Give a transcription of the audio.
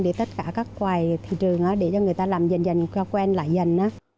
để tất cả các quầy thị trường để cho người ta làm dần dần quen lại dần